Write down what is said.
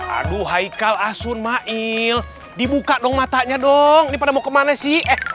aduh haikal asun mail dibuka dong matanya dong ini pada mau kemana sih